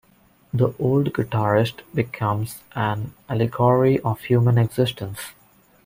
"The Old Guitarist" becomes an allegory of human existence.